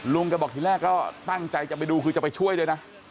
แกบอกทีแรกก็ตั้งใจจะไปดูคือจะไปช่วยด้วยนะ